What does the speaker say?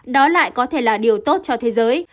đó lại có thể là điều tốt cho thế giới